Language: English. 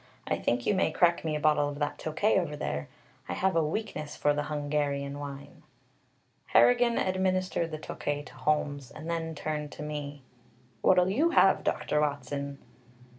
"I think you may crack me a bottle of that Tokay over there. I have a weakness for the Hungarian wine." Harrigan administered the Tokay to Holmes, and then turned to me: "What'll you have, Doctor Watson?"